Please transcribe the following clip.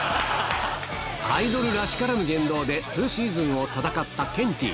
アイドルらしからぬ言動で２シーズンを戦ったケンティー。